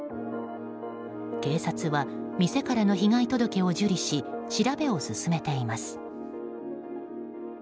警察は店からの被害届を受理し調べを進めています。